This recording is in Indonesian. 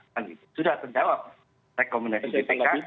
sudah terjawab rekomendasi bpk